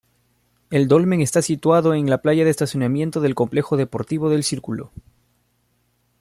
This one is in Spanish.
El dolmen está situado en la playa de estacionamiento del complejo deportivo del círculo.